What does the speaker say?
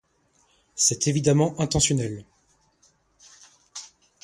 C'est évidemment intentionnel.